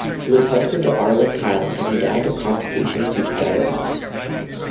He was husband to Arlene Kyl, and he died of complications due to diabetes.